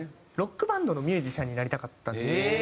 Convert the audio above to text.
ロックバンドのミュージシャンになりたかったんですよね。